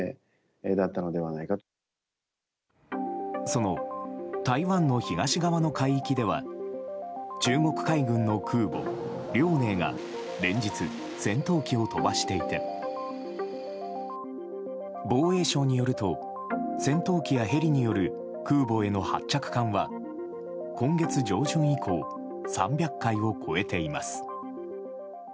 その台湾の東側の海域では中国海軍の空母「遼寧」が連日、戦闘機を飛ばしていて防衛省によると戦闘機やヘリによる空母への発着艦は今月上旬以降３００回を超えています。